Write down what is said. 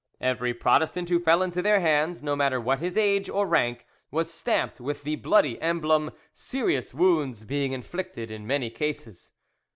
Every Protestant who fell into their hands, no matter what his age or rank, was stamped with the bloody emblem, serious wounds being inflicted in many cases.